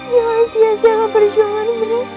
jangan sia sia berjuangan menumpang